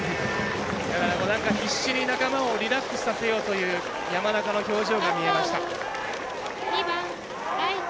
何か必死に仲間をリラックスさせようという山中の表情が見えました。